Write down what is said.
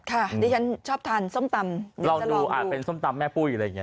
ดิฉันชอบทานส้มตำลองดูอาจเป็นส้มตำแม่ปุ้ยอะไรอย่างเง